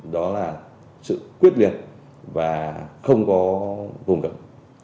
đó là sự quyết liệt và không có vùng cấm